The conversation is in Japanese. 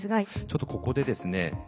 ちょっとここでですね